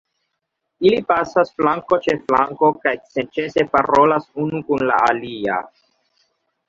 Ili pasas flanko ĉe flanko kaj senĉese parolas unu kun la alia.